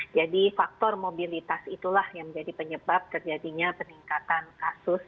jadi faktor mobilitas itulah yang menjadi penyebab terjadinya peningkatan kasus